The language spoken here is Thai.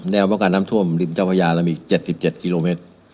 แนวประการน้ำท่วมริมเจ้าพญานมี๗๗กิโลเมตร